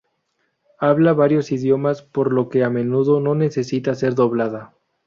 Habla varios idiomas, por lo que a menudo no necesita ser doblada.